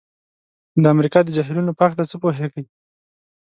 د امریکا د جهیلونو په هلکه څه پوهیږئ؟